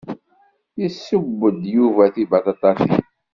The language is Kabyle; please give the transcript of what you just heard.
Yesseww-d Yuba tibaṭaṭatin.